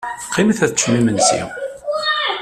Qqimet ad teččem imensi.